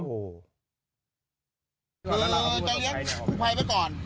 คือจะเอียงกู้ไพรไปก่อน